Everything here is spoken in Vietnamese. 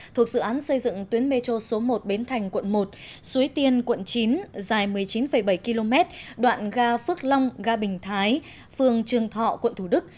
thuộc dự án xây dựng tuyến metro số một bến thành quận một suối tiên quận chín dài một mươi chín bảy km đoạn ga phước long ga bình thái phường trường thọ quận thủ đức